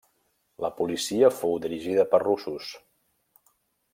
La policia fou dirigida per russos.